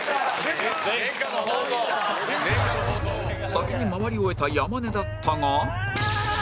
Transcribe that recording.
先に回り終えた山根だったが